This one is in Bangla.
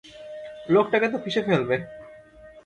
লোকটাকে তো পিষে ফেলবে!